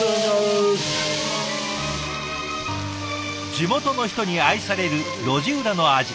地元の人に愛される路地裏の味